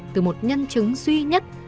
từ một nhân chứng duy nhất